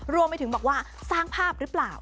รวมไปถึงบอกว่าสร้างภาพหรือเปล่า